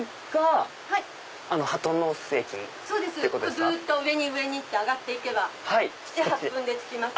ずっと上に上に上がって行けば７８分で着きます。